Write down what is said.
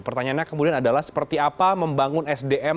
pertanyaannya kemudian adalah seperti apa membangun sdm